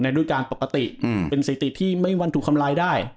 ในรูปการปกติเป็นเศรษฐีที่ไม่มั่นถูกคำลายได้